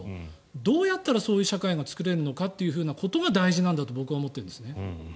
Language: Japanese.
どうやったらそういう社会が作れるのかってことが大事だと僕は思ってるんですね。